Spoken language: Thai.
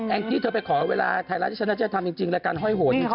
แอ้งที่เธอไปขอเวลาไทยรัฐชนัดเจษฐ์ทำจริงรายการห้อยโหดจริงเถอะ